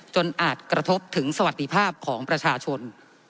อาจกระทบถึงสวัสดิภาพของประชาชน